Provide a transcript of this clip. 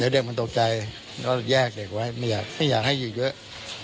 เด็กมันตกใจแล้วแยกเด็กไว้ไม่อยากไม่อยากให้หยุดเยอะ